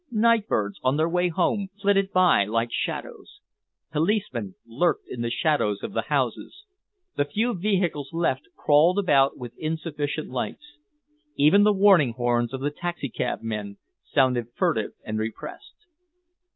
Nightbirds on their way home flitted by like shadows. Policemen lurked in the shadows of the houses. The few vehicles left crawled about with insufficient lights. Even the warning horns of the taxicab men sounded furtive and repressed.